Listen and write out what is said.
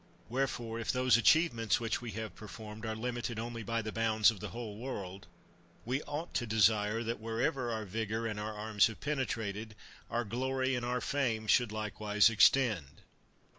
Wherefore, if those achievements which we have performed are limited only by the bounds of the whole world, we ought to desire that, wherever our vigor and our arms have pene trated, our glory and our fame should likewise extend.